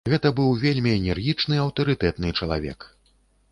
Гэта быў вельмі энергічны, аўтарытэтны чалавек.